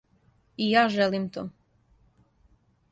И ја желим то.